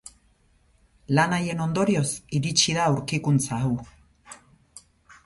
Lan haien ondorioz iritsi da aurkikuntza hau.